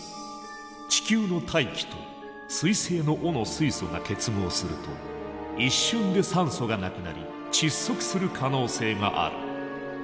地球の大気と彗星の尾の水素が結合すると一瞬で酸素がなくなり窒息する可能性がある。